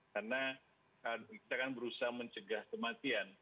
karena kita kan berusaha mencegah kematian